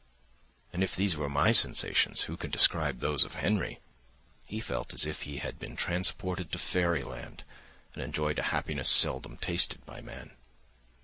And if these were my sensations, who can describe those of Henry? He felt as if he had been transported to Fairy land and enjoyed a happiness seldom tasted by man.